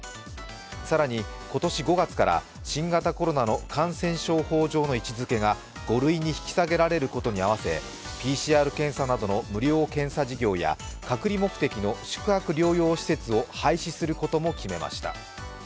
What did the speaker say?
更に今年５月から新型コロナの感染症法上の位置づけが５類に引き下げられることに合わせＰＣＲ検査などの無料検査事業や隔離目的の宿泊療養施設を廃止することも決めました。